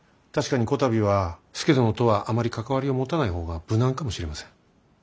確かにこたびは佐殿とはあまり関わりを持たない方が無難かもしれません。